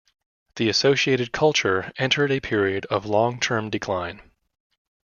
The associated culture entered a period of long-term decline.